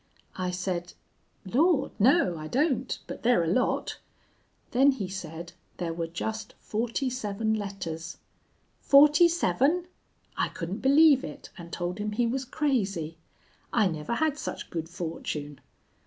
I said, 'Lord, no, I don't, but they're a lot.' Then he said there were just forty seven letters. Forty seven! I couldn't believe it, and told him he was crazy. I never had such good fortune.